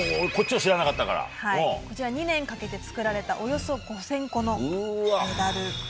２年かけて作られたおよそ５０００個のメダル。